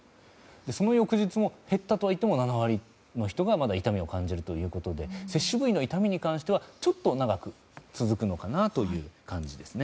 その翌日も減ったとはいっても７割の人がまだ痛みを感じるということで接種部位の痛みに関してはちょっと長く続くのかなという感じですね。